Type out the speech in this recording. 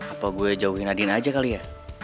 apa gue jauhin adin aja kali ya